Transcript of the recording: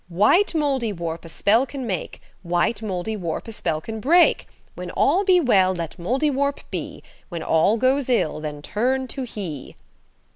– "White Mouldiwarp a spell can make, White Mouldiwarp a spell can break; When all be well, let Mouldiwarp be, When all goes ill, then turn to he."